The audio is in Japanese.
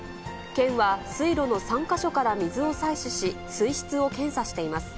県は水路の３か所から水を採取し、水質を検査しています。